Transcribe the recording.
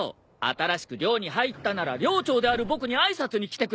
新しく寮に入ったなら寮長である僕に挨拶に来てくれないと！